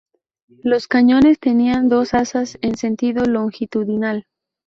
Los cañones tenían dos asas, en sentido longitudinal.